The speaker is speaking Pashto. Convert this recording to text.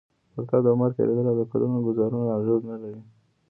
پر تا د عمر تېرېدل او د کلونو ګوزارونه اغېز نه لري.